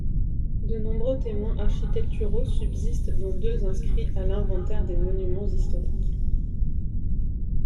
De nombreux témoins architecturaux subsistent dont deux inscrits à l'inventaire des monuments historiques.